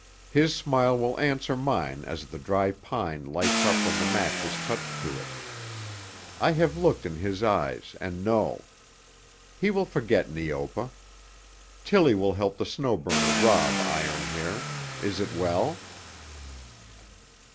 His smile will answer mine as the dry pine lights up when the match is touched to it. I have looked in his eyes and know. He will forget Neopa. Tillie will help the Snow Burner rob Iron Hair. Is it well?"